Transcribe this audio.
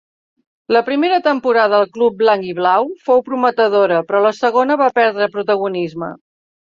La primera temporada al club blanc-i-blau fou prometedora però la segona va perdre protagonisme.